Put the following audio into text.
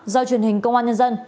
do truyền hình công an nhân dân